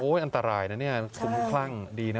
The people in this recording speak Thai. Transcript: โอ้ยอันตรายนะเนี่ยสูงคลั่งดีนะ